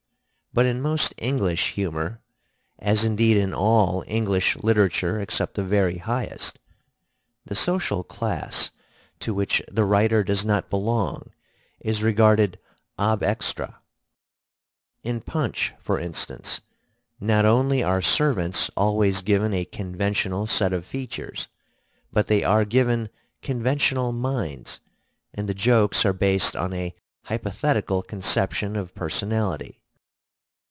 But in most English humor, as indeed in all English literature except the very highest, the social class to which the writer does not belong is regarded ab extra. In Punch, for instance, not only are servants always given a conventional set of features, but they are given conventional minds, and the jokes are based on a hypothetical conception of personality.